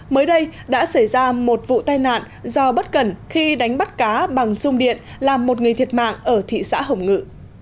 mới đây đã xảy ra một vụ tai nạn do bất cần khi đánh bắt cá bằng sung điện làm một người thiệt mạng ở thị xã hồng ngự